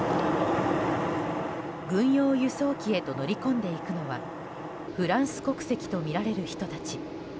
軍用輸送機へと乗り込んでいくのはフランス国籍とみられる人たち。